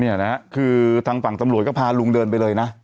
เนี่ยนะคือทางฝั่งตำรวจก็พาลุงเดินไปเลยนะ